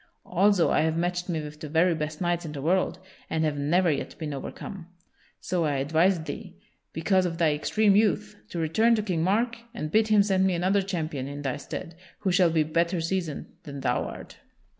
Also I have matched me with the very best knights in the world, and have never yet been overcome. So I advise thee, because of thy extreme youth, to return to King Mark and bid him send me another champion in thy stead, who shall be better seasoned than thou art."